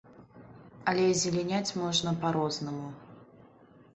Але азеляняць можна па-рознаму.